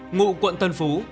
ngụ quận tân phú